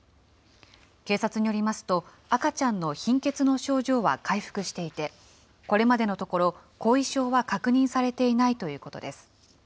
警察によりますと、赤ちゃんの貧血の症状は回復していて、これまでのところ、後遺症は確認されていないということです。